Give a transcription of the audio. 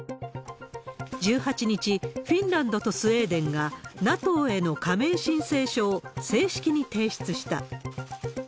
１８日、フィンランドとスウェーデンがＮＡＴＯへの加盟申請書を正式に提出した。